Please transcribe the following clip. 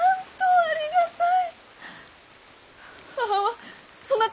ありがたい。